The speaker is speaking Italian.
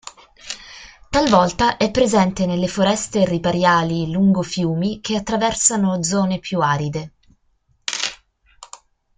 Talvolta è presente nelle foreste ripariali lungo fiumi che attraversano zone più aride.